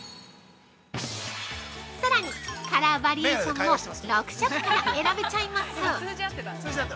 ◆さらにカラーバリエーションも６色から選べちゃいます。